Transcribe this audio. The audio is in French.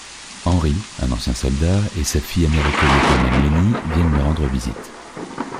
Henry, un ancien soldat, et sa fille américano-vietnamienne, Lenny, viennent lui rendre visite.